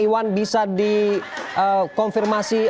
iwan bisa dikonfirmasi